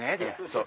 そう。